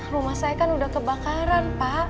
rumah saya kan udah kebakaran pak